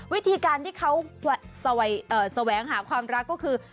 วิธีการที่เขาแสวงหาความรักก็คือ